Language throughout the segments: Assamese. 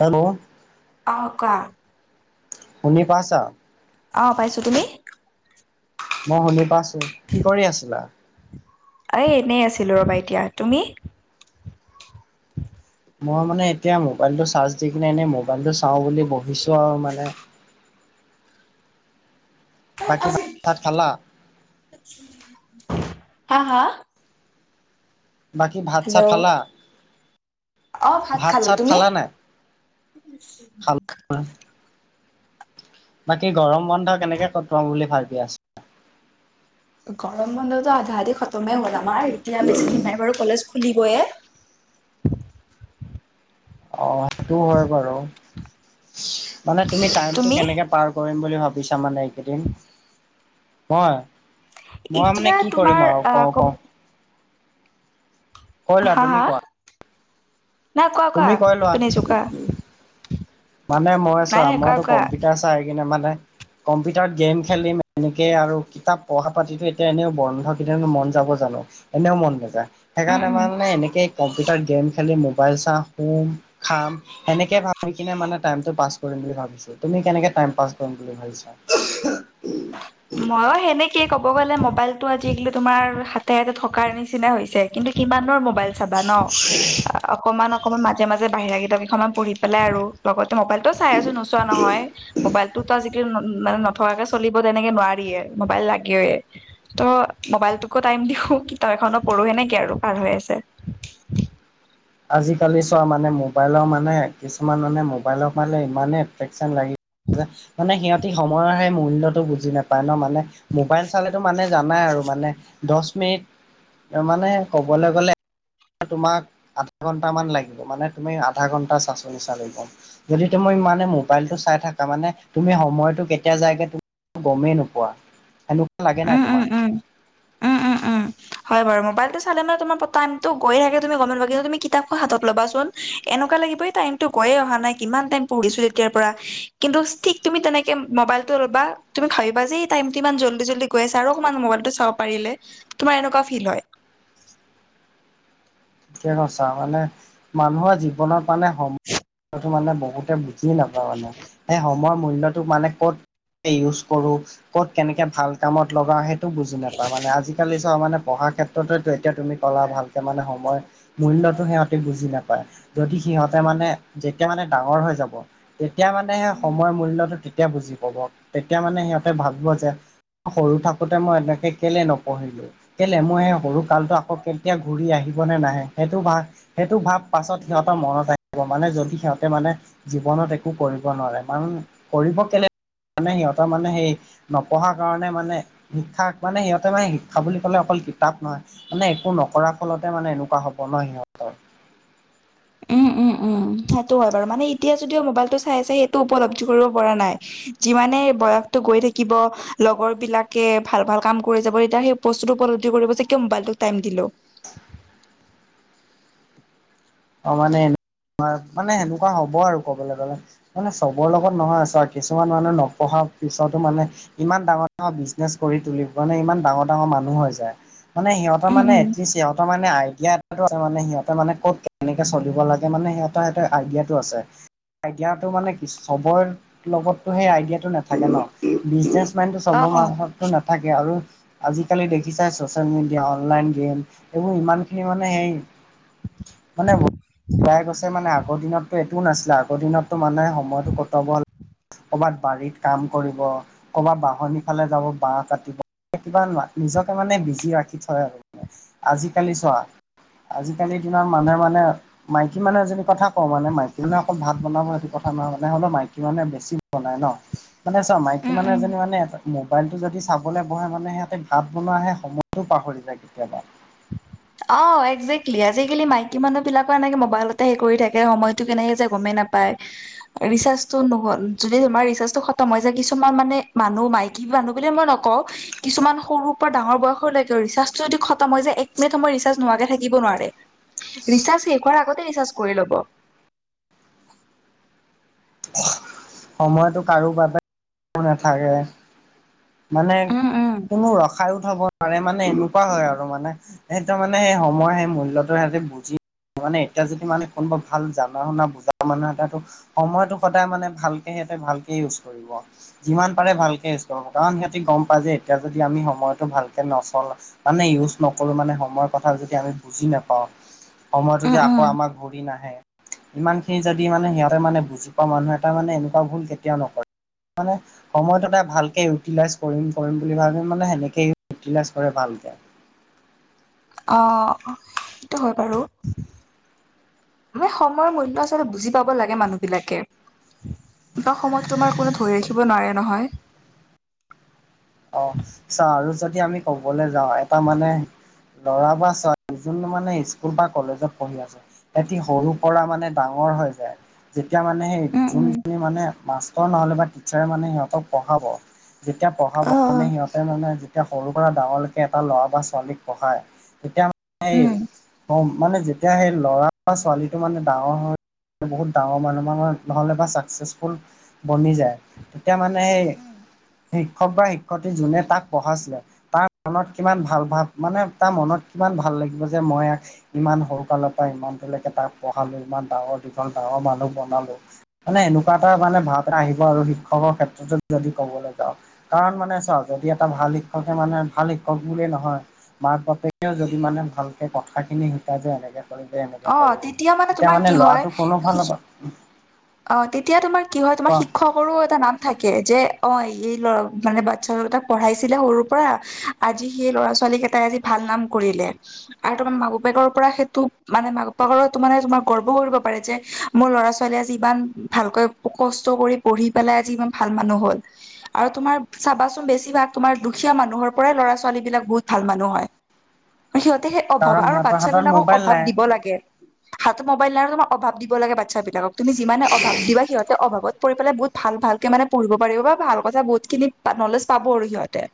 হেল্ল অ কোৱা। শুনি পাইছা অ পাইছো তুমি মই শুনি পাইছো কি কৰি আছিলা এই এনেই আছিলো ৰবা এতিয়া তুমি মই মানে এতিয়া মোবাইলটো চাৰ্জ দি কিনে এনেই মোবাইলটো চাওঁ বুলি বহিছো আৱ মানে বাকী ভাত খালা হা হা বাকী ভাত চাত হেল্ল' খালা? অ ভাত খালো চাত তুমি খালা হয় বাকী গৰম বন্ধ কেনেকে কটোৱাও বুলি ভাবি আছা গৰম বন্ধতো আধা আধি খতমেই হ'ল আমাৰ এতিয়া বেছি দিন নাই বাৰু কলেজ খুলিবয়ে অ সেইটো হয় বাৰু মানে তুমি টাইমটো কেনেকে পাৰ কৰিম বুলি ভাবিছা মানে এইকেইদিন মই মই মানে এতিয়া কি তোমাৰ কৰিম আও আহ ক কওঁ কওঁ কৈ লোৱা হা তুমি হা কোৱা নাই কোৱা কোৱা তুমি কৈ লোৱা। শুনিছো কোৱা মানে মই নাই চোৱা নাই কোৱা মইতো কোৱা কম্পিউটাৰ চাই কিনে মানে কম্পিউটাৰত গেম খেলিম এনেকে আৰু কিতাপ পঢ়া পাতিটো এতিয়া এনেও বন্ধ কিন্তু মন যাব জানো এনেও মন নেযায় উম সেইকাৰণে উম মানে এনেকেই কম্পিউটাৰত গেম খেলিম মোবাইল চাম শুম খাম এনেকে ভাবি কিনে মানে পাছ কৰিম বুলি ভাবিছো তুমি কেনেকে টাইম পাছ কৰিম বুলি ভাবিছা মইয়ো সেনেকেই ক'ব গ'লে মোবাইলটো আজিকালি তোমাৰ হাতে হাতে থকাৰ নিচিনা হৈছে কিন্তু কিমাননো মো মবাইল চাবা ন অকমান অকমান মাজে মাজে বাহিৰা কিতাপ কেইখনমান পঢ়ি পেলাই আৰু লগতে মোবাইলটো চাই আছো নোচোৱা নহয় মোবাইলটো ত আজিকালি মানে নথকাকে চলিব তেনেকে নোৱাৰিয়ে মোবাইল লাগেয়ে ত' মোবাইলটোকো টাইম দিও কিতাপ এখনো পঢ়ো সেনেকে আৰু পাৰ হৈ আছে আজিকালি চোৱা মানে মোবাইলৰ মানে কিছুমান মানে মোবাইলৰ মানে ইমানেই এট্ৰেকচন লাগি মানে মানে সিহঁতি সময়ৰ সেই মূল্যটো বুজি নাপায় ন মানে মোবাইল চালেতো মানে জানাই আৰু মানে দহ মিনিট মানে ক'বলে গ'লে তোমাক আধা ঘণ্টামান লাগিব মানে তুমি আধা ঘণ্টা চাচনি চালিব যদি তুমি ইমানে মোবাইলটো চাই থাকা মানে তুমি সময়টো কেতিয়া যায়গে তুমি গমেই নোপোৱা লাগে নাই উম উম তোমাক উম উম, [unintelligible] উম উম হয় বাৰু মোবাইলটো চালেনে তোমাৰ টাইমতো গৈ থাকে তুমি গম নোপোৱা কিন্তু তুমি কিতাপ খন হাতত ল'বাচোন এনেকুৱা লাগিব এ টাইমটো গৈয়ে অহা নাই কিমান টাইম পঢ়িছো তেতিয়াৰ পৰা কিন্তু ঠিক তুমি তেনেকে মোবাইলটো লবা তুমি ভাবিবা যে এ টাইমটো ইমান জল্দি জল্দি গৈ আছে আৰু অকমান মোবাইলতো চাব পাৰিলে তোমাৰ এনেকুৱা ফিল হয় কৈছা মানে মানুহৰ জীৱনত মানে সময়তো মানে বহুতে বুজি নেপাই মানে সেই সময়ৰ মূল্য মানে ক'ত ইউজ কৰোঁ কত কেনেকে ভাল কামত লগাও সে বুজি নাপায় মানে আজিকালি চব মানে পঢ়াৰ ক্ষেত্ৰতেতে এতিয়া তুমি কলা ভালকে মানে সময় মূল্যতো সিহঁতে বুজি নাপায় যদি সিহঁতে উম, উম, মানে যেতিয়া মানে ডাঙৰ হৈ যাব তেতিয়া মানে সেই উম। সময়ৰ মূল্যটো তেতিয়া বুজি পাব তেতিয়া মানে সিহঁতে ভাবিব যে সৰু থাকোতে মই এনেকে কেলে নপঢ়িলো কেলে মই সেই সৰু কালটো আকৌ কেতিয়া ঘূৰি আহিবনে নাহে সেইটো ভাব সেইটো ভাব পাছত সিহঁতৰ মনত আহিব মানে যদি সিহঁতে মানে জীৱনত একো কৰিব নোৱাৰে কাৰণ কৰিব কেলে মানে সিহঁতৰ মানে সেই নপঢ়াৰ কাৰণে মানে শিক্ষাক মানে সিহঁতে মানে শিক্ষা বুলি ক'লে অকল কিতাপ নহয় মানে একো নকৰা ফলতে মানে এনেকুৱা হ'ব ন সিহঁতৰ উম উম উম সেইটো হয় বাৰু মানে এতিয়া যদিও মোবাইলটো চাই চাই সেইটো উপলব্ধি কৰিব পৰা নাই যিমানে বয়সটো গৈ থাকিব লগৰ বিলাকে ভাল ভাল কাম কৰি যাব তেতিয়া সেই বস্তুটো উপলব্ধি কৰিব যে কিয় মবাইলটোক টাইম দিলো অ মানে মানে সেনেকুৱা হ'ব আৰু কবলে গলে মানে চবৰ লগত নহয় চা কিছুমান মানুহ নপঢ়াৰ পিছতো মানে ইমান ডাঙৰ ডাঙৰ বিজনেচ কৰি তুলিব নে ইমান ডাঙৰ ডাঙৰ মানুহ হয় যায় মানে সিহঁতৰ উম, মানে উম। এটলিষ্ট সিহঁতৰ মানে আইডিয়াটো আছে মানে সিহঁতে মানে ক'ত কেনেকে চলিব লাগে মানে সেই এটা সিঁহতৰ আইডিয়াটো আছে আইডিয়াটো মানে কি চবৰে লগততো সেই আইডিয়াটো নাথাকে ন বিজনেচ কিমান বছৰ অ মোৰ মাহততো নাথাকে আৰু আজিকালি দেখিছাই ছ'চিয়েল মিডিয়া অনলাইন গেম এইবোৰ ইমানখিনি মানে সেই মানে গৈছে মানে আগৰ দিনত তো এইটো নাছিলে আগৰ দিনততো মানে সময়টো কটাব হলে ক'বাত বাৰীত কাম কৰিব ক'বাত বাঁহনি ফালে যাব বাঁহ কাটিব কিবা নিজকে মানে বিজি ৰাখি থয় আৰু আজিকালি চোৱা আজিকালিৰ দিনত মানুহে মানে মাইকী মানু্হ এজনী কথা কওঁ মানে মাইকী মানে অকল ভাত বনাব সেইটো কথা নহয় মানে হ'লেও মাইকী মানুহে বেছি বনাই ন মানে চা মাইকী উম মানুহ উম এজনী মানে মোবাইলটো যদি চাবলৈ বহে মানে সিহঁতে ভাত বনোৱা হে সময় পাহৰি যায় কেতিয়াবা অ একজেক্টলি আজিকালি মাইকী মানুহ বিলাকো এনেকে মোবাইলতে হে কৰি থাকে সময়টো কেনেকে যায় গমে নাপায় ৰিচাৰ্জটো নহ'ল যদি তোমাৰ ৰিচাৰ্জটো খতম হৈ যায় কিছুমান মানে মানুহ মাইক মাইকী মানু্হ বুলি মই নকওঁ কিছুমান সৰুৰ পৰা ডাঙৰ বয়সলৈকে ৰিচাৰ্জটো যদি খতম হৈ যায় মিনিট সময় ৰিচাৰ্জ নোহোৱাকে থাকিব নোৱাৰে ৰিচাৰ্জ শেষ হোৱাৰ আগতে ৰিচাৰ্জ কৰি ল'ব সময়টো কাৰো বাবে নেথাকে মানে উম উম কোনো ৰখাইও থব পাৰে মানে এনেকুৱা হয় আৰু মানে সিহতৰ মানে সেই সময় সেই মূল্যতো সিহঁতে বুজি মানে এতিয়া যদি মানে কোনোবা ভাল জানা শুনা বুজা মানুহে এটাটো সময়তটো সদায় মানে ভালকে সিহতে ভালকে ইউজ কৰিব যিমান পাৰে ভালকে ইউজ কৰিব কাৰণ সিহঁতি গম পায় যে এতিয়া যদি আমি সময়টো ভালকৈ নচলা মানে ইউজ নকৰো মানে সময়ৰ কথা যদি আমি বুজি নাপাও সময়টো উম যদি উম আকৌ আমাক ঘৰি নাহে ইমান খিনি যদি মানে সিহঁতে মানে বুজি পোৱা মানুহ এটা মানে এনেকুৱা ভুল কেতিয়াও নকৰে মানে সময়টো এই ভালকে উ ইউটিলাইজ কৰিম কৰিম বুলি ভাবি মানে সেনেকেই ইউটিলাইজ কৰে ভালকৈ অ সেইটো হয় বাৰু মানে সময়ৰ মূল্য আচলতে বুজি পাব লাগে মানুহবিলাকে দুটা সময়ত তোমাৰ কোনো ধৰি ৰাখিব নোৱাৰে নহয় অ চা আৰু যদি আমি কবলৈ যাওঁ এটা মানে লৰা বা ছোৱালী যোনটো মানে স্কুল বা কলেজত পঢ়ি আছে সিহতি সৰু পৰা মানে ডাঙৰ হৈ যায় যেতিয়া মানে সেই উম উম যোনখিনি মানে মাছ নহ'লে বা টিচাৰে মানে সিহঁতক পঢ়াব যেতিয়া পঢ়াব অ অ মানে সিহঁতে মানে তেতিয়া পৰা ডাঙৰলৈকে এটা ল'ৰা বা ছোৱালীক পঢ়ায় তেতিয়া মানে এই উম অ মানে যেতিয়া সেই ল'ৰা বা ছোৱালীটো মানে ডাঙৰ হয় বহুত ডাঙৰ মানুহ মানৰ নহ'লে বা ছাকচেছফুল বনি যায় তেতিয়া মানে সেই উম, শিক্ষক বা শিক্ষয়িত্ৰী যোনে তাক পঢ়াইছিলে তাৰ মনত কিমান ভাল ভ মানে তাৰ মনত কিমান ভাল লাগিব যে মই ইমান সৰুকালৰ পৰা ইমানটোলৈকে তাক পঢ়ালো ইমান ডাঙৰ দীঘল ডাঙৰ মানুহ বনালো মানে এনেকুৱা এটা মানে ভাৱ আহিব আৰু শিক্ষকৰ ক্ষেত্ৰতো যদি কবলৈ যাওঁ কাৰণ মানে যদি এটা ভাল শিক্ষকে মানে ভাল শিক্ষক বুলিয়ে নহয় মাক বাপেকও যদি মানে ভালকে কথাখিনি শিকাই যে এনেকে এনে অ কৰিবি তেতিয়া তোমাৰ কি মানে হয় লৰাটো কোনো ফাল পা শিক্ষি- অ তেতিয়া তোমাৰ কি হয় তোমাৰ শিক্ষক সৰু এটা নাম থাকে যে অ এই লৰা মানে বাচ্ছা দুটাক পঢ়াইছিলে সৰুৰ পৰা আজি সেই ল'ৰা ছোৱালী কেইটাই আজি ভাল নাম কৰিলে আৰু তোমাৰ মাক বাপেকৰ পৰা সেইটো মানে মাক বাপেকৰো মানে তোমাৰ গৰ্ব কৰিব পাৰে যে মোৰ ল'ৰা ছোৱালী আজি ইমান ভালকৈ কষ্ট কৰি পঢ়ি পেলাই আজি ইমান ভাল মানুহ হল। আৰু তোমাৰ চাবাচোন বেছিভাগ তোমাৰ দুখীয়া মানুহৰ পৰাই ল'ৰা ছোৱালী বিলাক বহুত ভাল মানুহ হয়। [inaudible] সিহঁতে সেই অভাৱ কাৰণ আৰু সিহঁতৰ হাতত বাচ্ছাবলাকক মোবাইল অভাৱ নাই দিব লাগে। [unintelligible] অভাৱ দিব লাগে বাচ্ছাৰ বিলাকক তুমি যিমানে অভাৱ দিবা সিহঁতে অভাৱত পঢ়ি পেলাই বহুত ভাল ভালকে মানে পঢ়িব পাৰিব বা ভাল কথা বহুত খিনি নলেজ পাব আৰু সিহঁতে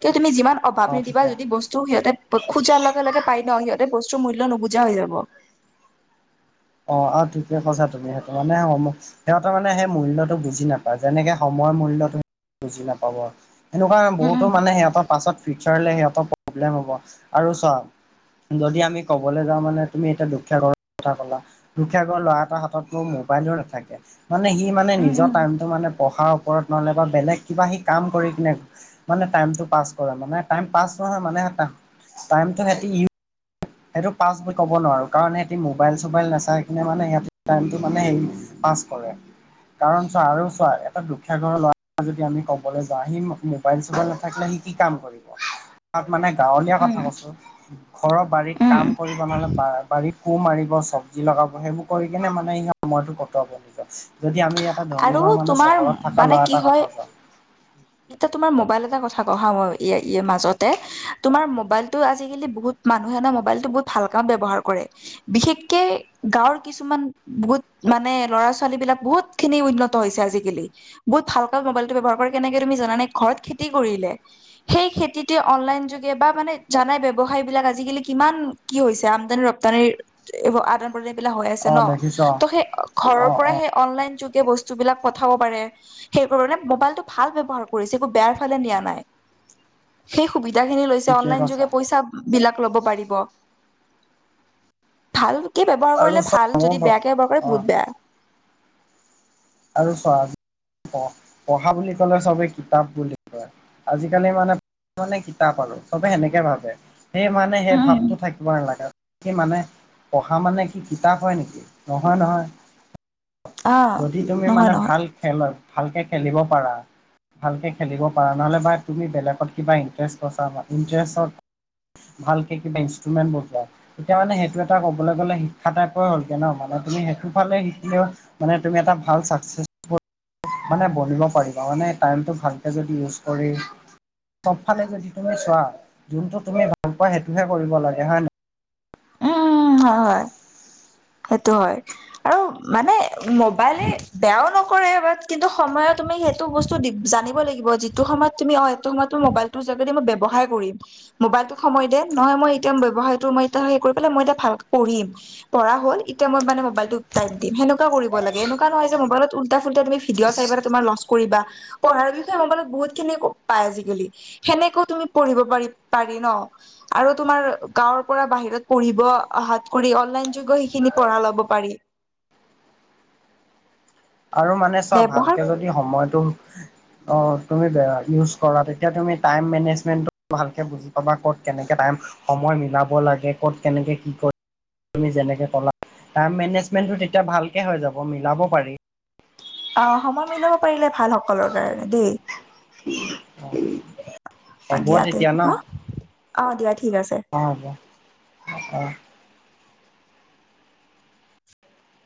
কিয় তুমি যিমান অভাৱ অ নিদিবা ঠিকে যদি বস্তু সিহঁতে খোজাৰ লগে লগে পাই ন সিহঁতে বস্তুৰ মূল্য নুবুজা হৈ যাব অ আৰু ঠিকে কৈছা তুমি সেইটো মানে ঔমকচ সিহঁতেৰ মানে সেই মূল্যটো বুজি নাপায় যেনেকে সময়ৰ মূল্যটো বুজি নাপাব সেনেকুৱা উম বহুতো মানে সিহঁতৰ পাছত ফিউচাৰলে সিহঁতৰ প্ৰব্লেম হ'ব আৰু চোৱা যদি আমি ক'বলৈ যাওঁ মানে তুমি এতিয়া দুখীয়া ঘৰৰ কথা ক'লা। দুখীয়া ঘৰ ল'ৰা এটা হাততনো মোবাইলো নাথাকে। মানে সি মানে উম উম নিজৰ উম টাইমটো মানে পঢ়াৰ ওপৰত নহ'লে বা বেলেগ কিবা সি কাম কৰি কিনে মানে টাইমটো পাছ কৰা মানে টাইম পাছ নহয় মানে টাইমটো সিহঁতে ইউজ সেইটো পাষ্ট বুলি ক'ব নোৱাৰো কাৰণ সিহঁতি মোবাইল চোবাইল নাচাই কিনে মানে সিহতে টাইমটো মানে হেৰি। পাছ কৰে। কাৰণ চা আৰু চোৱা এটা দুখীয়া ঘৰৰ ল'ৰা যদি আমি ক'বলৈ যাওঁ আহি- মোবাইল চোবাইল নাথাকিলে সি কি কাম কৰিব। তাক মানে উম গাঁৱলীয়া উম কথা কৈছো ঘৰৰ বাৰীত। উম কাম কৰিব মানে বা বাৰী কোৰ মাৰিব চব্জি লগাব সেইবোৰ কৰি কিনে মানে সময়তটো কটাব। জাচ যদি আমি এটা ধনী আৰু ঘৰ মানে তোমাৰ চহৰত থকা মানে ল'ৰা কি এটা হয় কথা কওঁ। এতিয়া তোমাৰ মোবাইল এটা কথা কওঁ হা ই ইয়ে মাজতে। তোমাৰ মোবাইলতটো আজিকালি বহুত মানুহেন মোবাইলতটো বহুত ভাল কামত ব্যৱহাৰ কৰে। বিশেষকে গাঁৱৰ কিছুমান বহুত মানে ল'ৰা ছোৱালী বিলাক বহুত। খিনি উন্নত হৈছে আজিকালি বহুত ভালকৈ মোবাইল ব্যৱহাৰ কৰে কেনেকে তুমি জানানে ঘৰত খেতি কৰিলে। সেই খেতিতোৱে অনলাইন যোগে বা মানে জানাই ব্যৱসায় বিলাক আজিকালি কিমান? কি হৈছে আমদানি ৰপ্তানিৰ আদান। বিলাক হৈ আছে অ ন দেখিছ ত সেই ঘৰৰ অ পৰা অ অনলাইন যোগে বস্তুবিলাক পঠাব পাৰে সেইবোৰ মানে মোবাইলটো ভাল ব্যৱহাৰ। পাৰ কৰিছে, একো বেয়াৰ ফালে নিয়া নাই। সেই সুবিধা খিনি লৈছে ঠিকে অনলাইন কৈছা যোগে পইছা। বিলাক লব পাৰিব। ভালকে ব্যৱহাৰ আৰু কৰিলে চোৱা ভাল, যদি মোৰ বেয়াকে ব্যৱহাৰ কৰে, অ বহুত বেয়া। আৰু চোৱা, পঢ়া বুলি ক'লে চবে কিতাপ বুলি কয়। আজিকালি মানে, মানে, কিতাপ আৰু চবে সেনেকে ভাবে। সেই মানে সেই উম। ভাৱটো উম। থাকিব নালাগে, কি মানে? পঢ়া মানে কি কিতাপ হয় নেকি? নহয় নহয়। অঁ। যি তুমি মানে, ভাল খেল হয় ভালকে খেলিব পাৰা। ভালকে খেলিব পাৰা, নহ'লে বা তুমি বেলেগত কিবা ইণ্টাৰেষ্ট বছা বা ইণ্টষ্টত- ভালকে কিবা ইনষ্ট্ৰুমেণ্ট বজোৱা। তেতিয়া মানে, সেইটো এটা ক'বলৈ গ'লে শিক্ষাৰ টাইপৰে হলগে ন? মানে তুমি সেইটো ফালে শিকিলেও- মানে তুমি এটা ভাল চাকচেচ। মানে বনিব পাৰিবা, মানে টাইমটো ভালকে যদি ইউজ কৰি। চব ফালে যদি তুমি চোৱা, যোনটো তুমি ভাল পোৱা, সেইটো হে কৰিব লাগে হয় নে? উমঁ, হয়ঁ হয়ঁ। সেইটো হয়। আৰু মানে মোবাইলে বেয়াও নকৰে বাট কিন্তু সময়ত তুমি সেইতো সেইটো বস্তু জানিব লাগিব, যিটো সময়ত তুমি অঁ সেইটো সময়ত মোবাইলটোৰ যোগেদি মই ব্যৱহাৰ কৰিম। মোবাইলটো সময় দে নহয়, মই এটিম ব্যৱসায়টো মই এতি হে কৰি পেলাই মই এ ভালকৈ পঢ়িম। পঢ়া হ'ল এতিয়া মই মানে মোবাইলটো টাইম দিম সনেকুৱা কৰিব লাগে, এনেকুৱ নহয় যে মোবাইল উলটা ফুল্টা তুমি। ভিডিঅ' চাই পেলাই তোমাৰ লচ কৰিবা, পঢ়াৰ বিষয়ে মোবাইলত বহুত খিনি পায় আজিকালি। সেনেকেও তুমি পঢ়িব পাৰি পাৰি ন। আৰু তোমাৰ গাঁৱৰ পৰা বাহিৰত পঢ়িব অহাত কৰি অনলাইন- যোগ সেইখিনি পঢ়া ল'ব পাৰি। আৰু মানে, চোৱা ব্যৱহাৰ ভালকে যদি সময়টো অঁ তুমি বে ইউজ কৰা, তেতিয়া তুমি টাইম মেনেজমেণ্টটো ভালকৈ বুজি পাবা, ক'ত কেনেকে টাইম- সময় মিলাব লাগে, ক'ত কেনেকে কি কৰে। তুমি যেনেকে কলা, টাইম মেনেজমেন্টটো তেতিয়া ভালকে হৈ যাব মিলাব পাৰি। [inaudible] অ সময় মিলাব পাৰিলে ভাল সকলৰ কাৰণে দেই। [inaudible] অ হ'ব দিয়া তে তেতিয়া ন অ দিয়া ঠিক আছে। অ দিয়া। [inaudible]